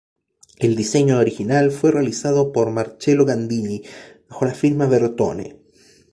El diseño original fue realizado por Marcello Gandini, bajo la firma Bertone.